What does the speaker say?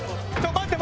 待って！